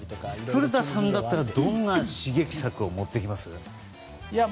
古田さんだったらどんな刺激策を持ってきます？